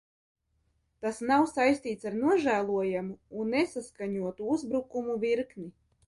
Tas nav saistīts ar nožēlojamu un nesaskaņotu uzbrukumu virkni.